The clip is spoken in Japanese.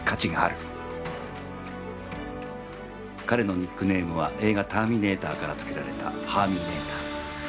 彼のニックネームは映画「ターミネーター」から付けられた、ハーミネーター。